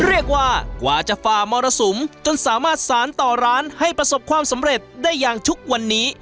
เรียกว่ากว่าจะฝ่ามรสุมจนสามารถสารต่อร้านให้ประสบความสำเร็จได้อย่างทุกวันนี้